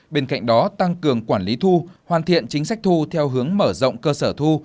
bên cạnh đó tăng cường quản lý thu hoàn thiện chính sách thu theo hướng mở rộng cơ sở thu